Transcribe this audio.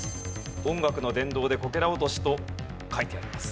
「音楽の殿堂でこけら落とし」と書いてあります。